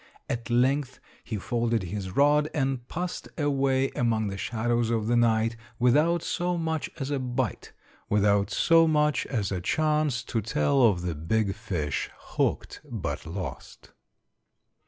At length he folded his rod and passed away among the shadows of the night, without so much as a bite, without so much as a chance to tell of the big fish 'hooked' but lost.